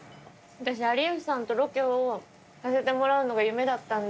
私有吉さんとロケをさせてもらうのが夢だったんで。